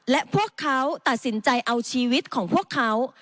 และพวกเขาตัดสินใจเอาชีวิตของพวกเขา